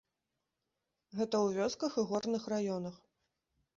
Гэта ў вёсках і горных раёнах.